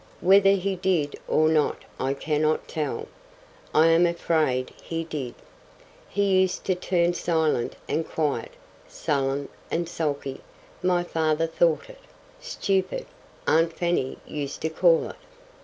Whether he did or not I cannot tell. I am afraid he did. He used to turn silent and quiet—sullen and sulky, my father thought it: stupid, aunt Fanny used to call it.